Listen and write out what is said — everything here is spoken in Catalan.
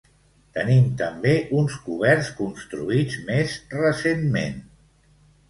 Tenim també uns coberts construïts més recentment.